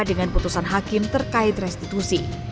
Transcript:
dengan putusan hakim terkait restitusi